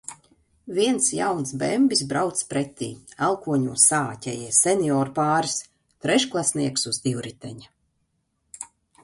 Viens jauns bembis brauc pretī, elkoņos saāķējies senioru pāris, trešklasnieks uz divriteņa.